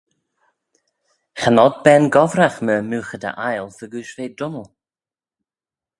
Cha nod ben gobbragh myr moogheyder aile fegooish ve dunnal.